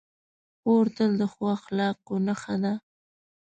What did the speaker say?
خور تل د ښو اخلاقو نښه ده.